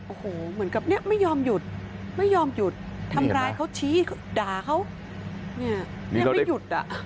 โอ้โหเหมือนกับเนี่ยไม่ยอมหยุดไม่ยอมหยุดทำร้ายเขาชี้ด่าเขาเนี่ยยังไม่หยุดอ่ะ